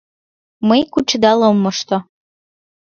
— Мый кучедал ом мошто.